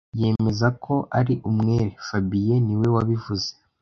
Yemeza ko ari umwere fabien niwe wabivuze